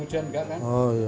nanti hasilnya sudah bagus